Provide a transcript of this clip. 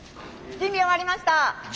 「準備終わりました」。